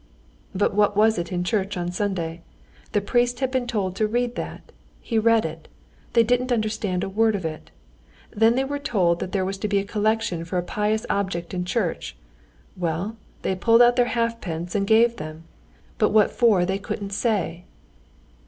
"But what was it in church on Sunday? The priest had been told to read that. He read it. They didn't understand a word of it. Then they were told that there was to be a collection for a pious object in church; well, they pulled out their halfpence and gave them, but what for they couldn't say."